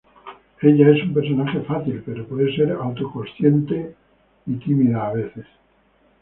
Ella es un personaje fácil, pero puede ser auto-consciente y tímida a veces.